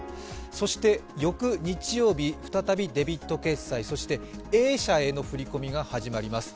そして翌日曜日、再びデビット決済そしてＡ社への振り込みが始まります。